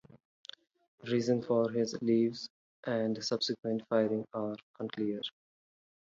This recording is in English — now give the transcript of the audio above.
Reasons for his leave and subsequent firing are unclear.